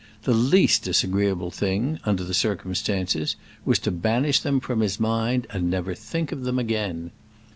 The least disagreeable thing, under the circumstances, was to banish them from his mind, and never think of them again.